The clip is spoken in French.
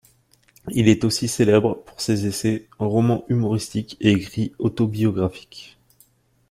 Il est aussi célèbre pour ses essais, romans humoristiques et écrits autobiographiques.